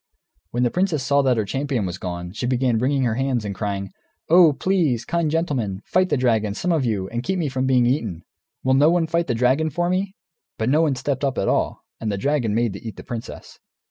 When the princess saw that her champion was gone, she began wringing her hands, and crying, "Oh, please, kind gentlemen, fight the dragon, some of you, and keep me from being eaten! Will no one fight the dragon for me?" But no one stepped up, at all. And the dragon made to eat the princess.